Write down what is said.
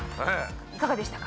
いかがでしたか？